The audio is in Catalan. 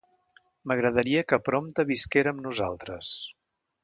M'agradaria que prompte visquera amb nosaltres.